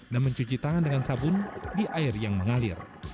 dan mencuci tangan dengan sabun di air yang mengalir